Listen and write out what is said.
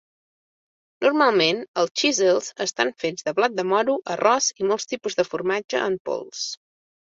Normalment, els Cheezels estan fets de blat de moro, arròs i molts tipus de formatge en pols.